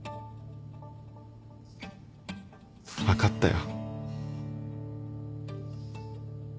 分かったよ。